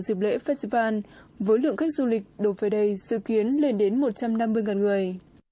dịp lễ festival với lượng khách du lịch đổ về đây dự kiến lên đến một trăm năm mươi người